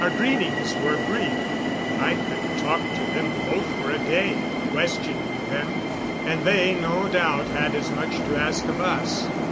Our greetings were brief. I could have talked to them both for a day, questioning them; and they, no doubt, had as much to ask of us.